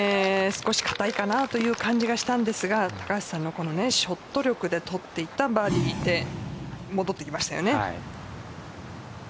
少し硬いかなという感じがしたんですが高橋さんのショット力で取っていったバーディーで戻ってきましたね。